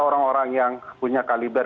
orang orang yang punya kaliber